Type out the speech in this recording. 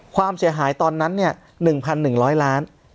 ความเสียหายตอนนั้นเนี่ย๑๑๐๐๐๐๐บาท